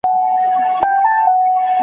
بیا یې هم .